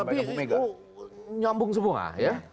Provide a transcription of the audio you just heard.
tapi itu nyambung semua ya